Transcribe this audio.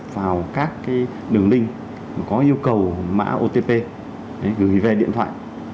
vào các đường linh có yêu cầu mã otp gửi về điện thoại